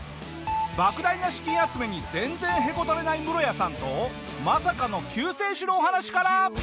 莫大な資金集めに全然へこたれないムロヤさんとまさかの救世主のお話から！